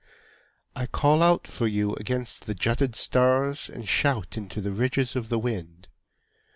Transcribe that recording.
I call out for you against the jutted stars And shout into the ridges of the wind.